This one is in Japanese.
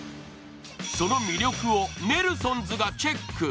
その魅力をネルソンズがチェック。